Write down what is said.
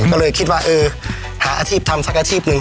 ก็เลยคิดว่าเออหาอาชีพทำสักอาชีพหนึ่ง